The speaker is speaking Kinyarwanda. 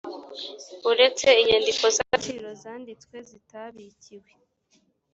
uretse inyandiko z agaciro zanditswe zitabikiwe